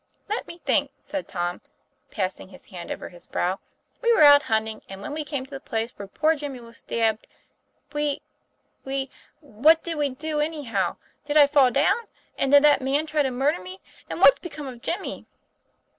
" Let me think," said Tom, passing his hand over his brow. "We were out hunting, and when we came to the place where poor Jimmy was stabbed we we what did we do, anyhow? Did I fall down? And did that man try to murder me? And what's become of Jimmy?"